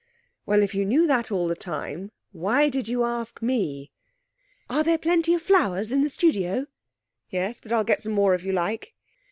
'Well, if you knew that all the time, why did you ask me?' 'Are there plenty of flowers in the studio?' 'Yes; but I'll get some more if you like.'